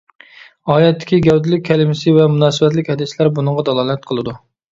ئايەتتىكى «گەۋدىلىك» كەلىمىسى ۋە مۇناسىۋەتلىك ھەدىسلەر بۇنىڭغا دالالەت قىلىدۇ.